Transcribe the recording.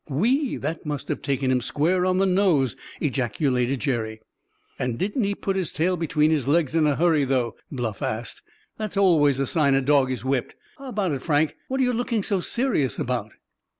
"Whee! That must have taken him square on the nose!" ejaculated Jerry. "And didn't he put his tail between his legs in a hurry, though?" Bluff asked. "That's always a sign a dog is whipped. How about it. Frank? What're you looking so serious about?"